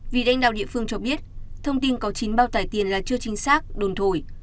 vì đánh đạo địa phương cho biết thông tin có chín bao tải tiền là chưa chính xác đồn thổi